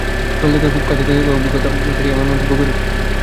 রোনালদোকে খুব কাছ থেকে দেখার অভিজ্ঞতা থেকেই এমন মন্তব্য করেছেন পিকে।